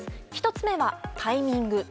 １つ目は、タイミング。